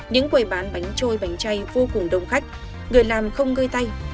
những quầy bán bánh trôi bánh chay vô cùng đông khách người làm không ngơi tay